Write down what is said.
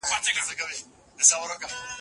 دلته دوه رنګي ده په دې ښار اعتبار مه کوه